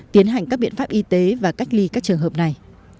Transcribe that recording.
tiến hành các biện pháp y tế và cách ly các trường hợp này